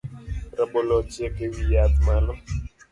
Rabolo ochiek ewiyath malo